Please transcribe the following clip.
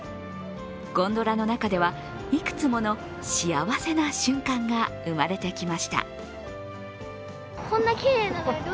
ゴンドラの中では、いくつもの幸せな瞬間が生まれてきました。